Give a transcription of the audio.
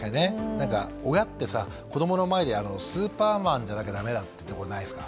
なんか親ってさ子どもの前ではスーパーマンじゃなきゃダメだってところないですか？